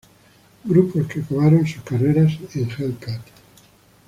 Grupos que acabaron sus carreras en Hellcat.